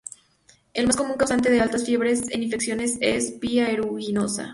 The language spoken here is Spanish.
El más común causante de altas fiebres en infecciones es "P. aeruginosa".